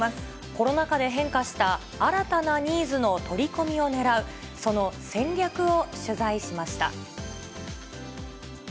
コロナ禍で変化した新たなニーズの取り込みをねらう、その戦略を取材しました。